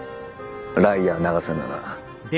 ライアー永瀬なら。